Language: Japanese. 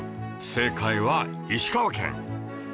正解は石川県